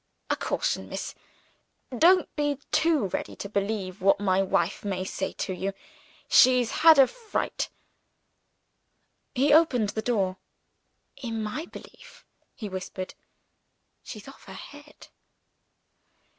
A caution, miss. Don't be too ready to believe what my wife may say to you. She's had a fright." He opened the door. "In my belief," he whispered, "she's off her head."